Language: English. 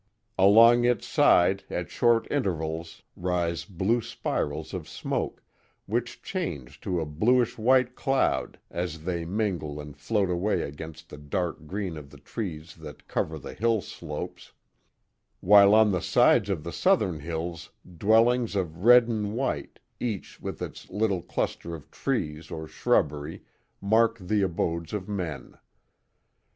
Along its side at short intervals rise blue spirals of smoke, which change to a bluish white cloud as they mingle and float away against the dark green of the trees that cover the hill slopes, while on the sides of the southern hills dwellings of red and white, each with its little cluster of trees or shrubbery, mark the abodes of men.